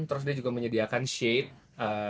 terus dia juga menyediakan shape